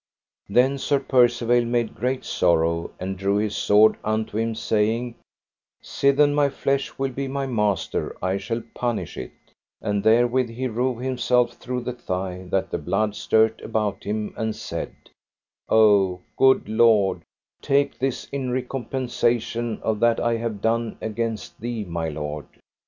Then Sir Percivale made great sorrow, and drew his sword unto him, saying: Sithen my flesh will be my master I shall punish it; and therewith he rove himself through the thigh that the blood stert about him, and said: O good Lord, take this in recompensation of that I have done against thee, my Lord.